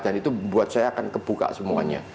dan itu buat saya akan terbuka semuanya